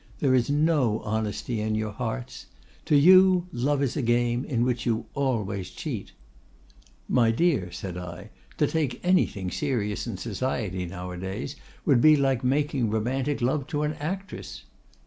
There is no honesty in your hearts. To you love is a game in which you always cheat.'—'My dear,' said I, 'to take anything serious in society nowadays would be like making romantic love to an actress.